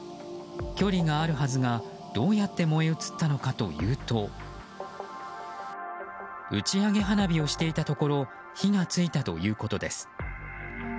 距離があるはずが、どうやって燃え移ったのかというと打ち上げ花火をしていたところ火が付いたということです。